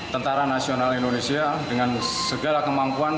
tentara nasional indonesia dengan segala kemampuan